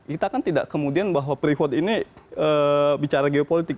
kita kan tidak kemudian bahwa prihort ini bicara geopolitik